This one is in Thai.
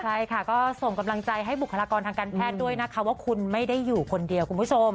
ใช่ค่ะก็ส่งกำลังใจให้บุคลากรทางการแพทย์ด้วยนะคะว่าคุณไม่ได้อยู่คนเดียวคุณผู้ชม